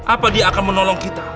apa dia akan menolong kita